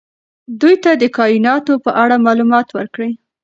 دوی ته د کائناتو په اړه معلومات ورکړئ.